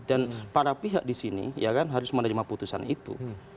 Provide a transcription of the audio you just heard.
dan para pihak di sini ya kan harus menerima putusan itu